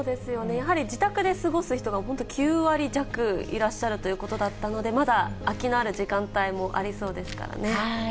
やはり自宅で過ごす人か９割弱いらっしゃるということだったので、まだ空きのある時間帯もありそうですからね。